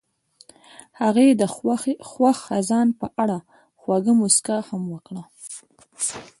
هغې د خوښ خزان په اړه خوږه موسکا هم وکړه.